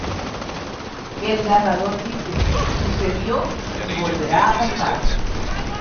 El narrador dice "sucedió, y volverá a pasar.